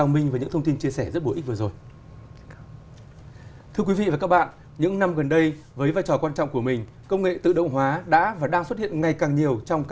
mong muốn đưa đất nước